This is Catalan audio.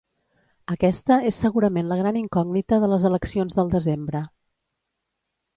Aquesta és segurament la gran incògnita de les eleccions del desembre.